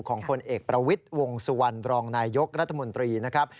ผลเอกประวิทย์วงสุวรรณรองนายยกรัฐมนตรีนะครับ